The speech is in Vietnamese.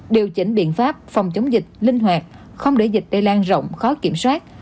điều chỉnh biện pháp phòng chống dịch linh hoạt không để dịch lây lan rộng khó kiểm soát